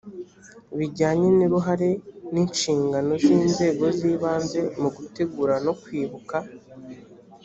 bijyanye n’uruhare n’inshingano z’inzego z’ibanze mu gutegura no kwibuka